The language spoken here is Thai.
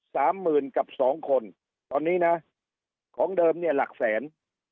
สามหมื่นกับสองคนตอนนี้นะของเดิมเนี่ยหลักแสน